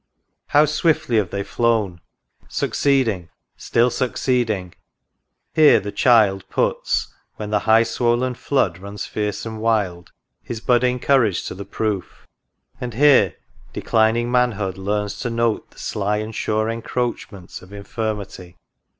— How swiftly have they flown I Succeeding — still succeeding ! Here the Child Puts, when the high swoln Flood runs fierce and wild, His budding courage to the proof; — and here Declining Manhood learns to note the sly And sure encroachments of infirmity.